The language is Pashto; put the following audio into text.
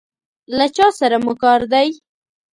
له چا سره مو کار دی؟